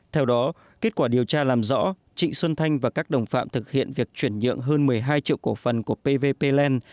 theo đó kết quả điều tra làm rõ trịnh xuân thanh và các đồng phạm thực hiện việc chuyển nhượng hơn một mươi hai triệu cổ phần của pvp pland